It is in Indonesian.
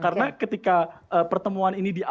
karena ketika pertemuan ini ditemukan